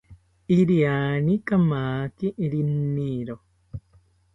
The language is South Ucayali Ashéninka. Iriani kamaki riniro